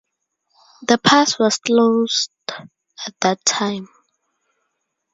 The pass was closed at that time.